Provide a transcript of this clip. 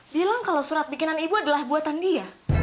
bilang kalau surat bikinan ibu adalah buatan dia